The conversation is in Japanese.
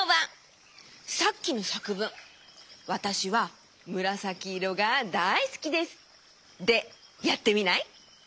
さっきのさくぶん「わたしはむらさきいろがだいすきです」でやってみない？